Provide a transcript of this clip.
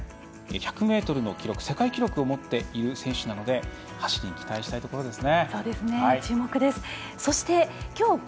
１００ｍの世界記録を持っている選手なので走りに期待したいところですね。